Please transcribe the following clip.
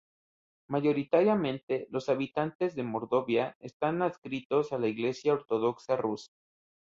Mayoritariamente, los habitantes de Mordovia, están adscritos a la Iglesia ortodoxa rusa.